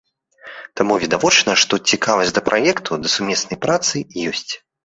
Таму відавочна, што цікавасць да праекту, да сумеснай працы ёсць.